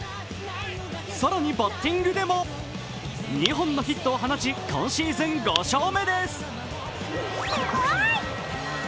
更にバッティングでも２本のヒットを放ち今シーズン５勝目です。